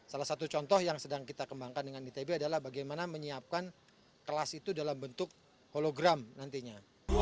salah satu contoh yang sedang kita kembangkan dengan itb adalah bagaimana menyiapkan kelas itu dalam bentuk hologram nantinya